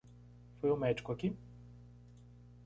Foi o médico aqui?